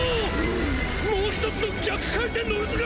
もう一つの逆回転の渦が！？